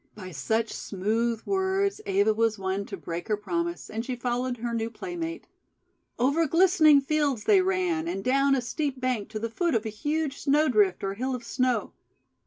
By such smooth words Eva was won to break her promise, and she followed her new playmate. Over glistening fields they ran, and down a steep bank to the foot of a huge Snowdrift or Hill of Snow.